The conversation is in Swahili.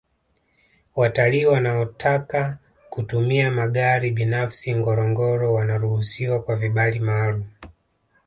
watalii wanaotaka kitumia magari binafsi ngorongoro wanaruhusiwa kwa vibali maalumu